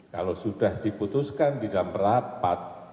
kalau sudah diputuskan di dalam rapat